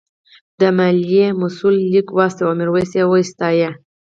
د مالیې مسوول لیک واستاوه او میرويس یې وستایه.